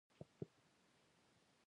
زړه مې ډاډه شو، خو جیب مې خالي و.